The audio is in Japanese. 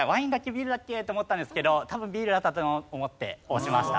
ビールだっけ？って思ったんですけど多分ビールだったと思って押しました。